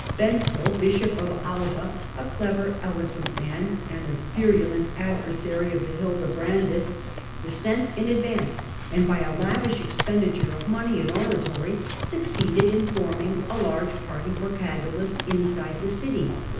Benzo, bishop of Alba, a clever, eloquent man, and a virulent adversary of the Hildebrandists, was sent in advance, and by a lavish expenditure of money and oratory succeeded in forming a large party for Cadalus inside the city.